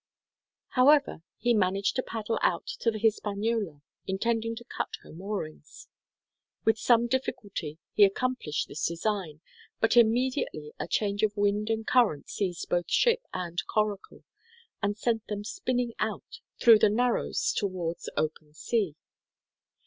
However, he managed to paddle out to the Hispaniola, intending to cut her moorings. With some difficulty he accomplished this design, but immediately a change of wind and current seized both ship and coracle, and sent them spinning out through the narrows towards open sea.